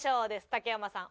竹山さん